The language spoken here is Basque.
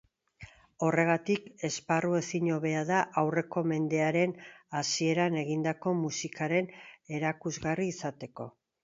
Horregatik, esparru ezin hobea da aurreko mendearen hasieran egindako musikaren erakusgarri izateko.